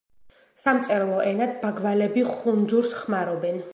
სამწერლო ენად ბაგვალები ხუნძურს ხმარობენ.